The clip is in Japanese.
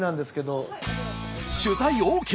取材ＯＫ！